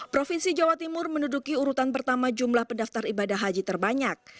provinsi jawa timur menduduki urutan pertama jumlah pendaftar ibadah haji terbanyak